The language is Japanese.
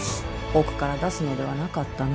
奥から出すのではなかったの。